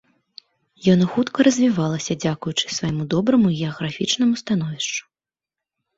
Яно хутка развівалася, дзякуючы свайму добраму геаграфічнаму становішчу.